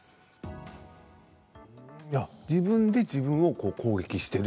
自分で自分を攻撃している。